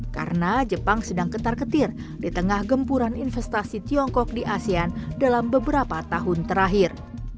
karena jepang sedang ketar ketir di tengah gempuran investasi tiongkok di asean dalam beberapa tahun terakhir